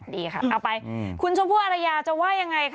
ดีค่ะเอาไปคุณชมพู่อรยาจะว่ายังไงคะ